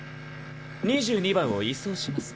二十二番を移送します。